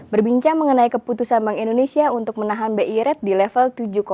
berbincang mengenai keputusan bank indonesia untuk menahan bi rate di level tujuh